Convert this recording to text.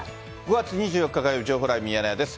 ５月２４日火曜日、情報ライブミヤネ屋です。